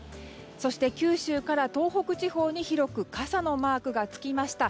そして九州から東北地方に広く傘のマークがつきました。